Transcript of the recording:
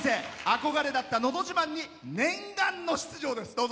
憧れだった「のど自慢」に念願の出場です。